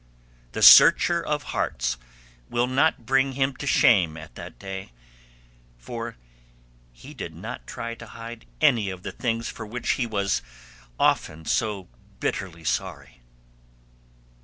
The Searcher of hearts will not bring him to shame at that day, for he did not try to hide any of the things for which he was often so bitterly sorry.